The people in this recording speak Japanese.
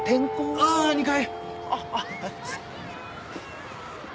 ああ２階へ。